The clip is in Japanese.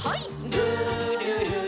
「るるる」